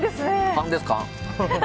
勘です、勘。